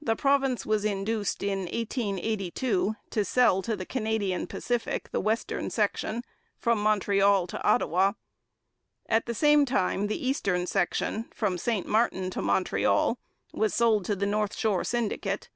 The province was induced, in 1882, to sell to the Canadian Pacific the western section, from Montreal to Ottawa. At the same time the eastern section, from St Martin to Montreal, was sold to the North Shore Syndicate.